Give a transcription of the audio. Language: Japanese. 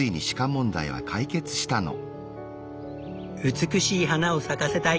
美しい花を咲かせたい！